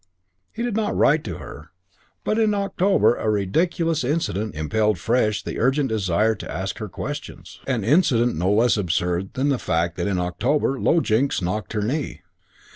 II He did not write to her. But in October a ridiculous incident impelled afresh the urgent desire to ask her the questions: an incident no less absurd than the fact that in October Low Jinks knocked her knee.